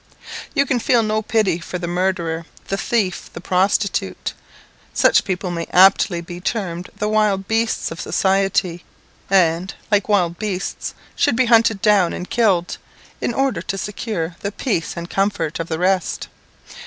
You can feel no pity for the murderer, the thief, the prostitute. Such people may aptly be termed the wild beasts of society, and, like wild beasts, should be hunted down and killed, in order to secure the peace and comfort of the rest.